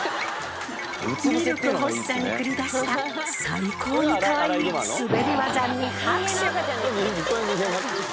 ミルク欲しさに繰り出した最高にかわいい滑り技に拍手！